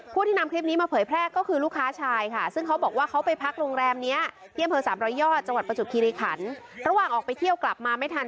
ผู้ที่นำคลิปนี้มาเผยแพร่ก็คือลูกค้าชายค่ะซึ่งเขาบอกว่าเขาไปพักโรงแรมเนี่ยเยี่ยมเผลอสามน้อยยอดจังหวัดประจุภิริขันตร์